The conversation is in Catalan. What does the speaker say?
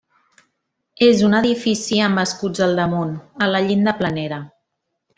És un edifici amb escuts al damunt, a la llinda planera.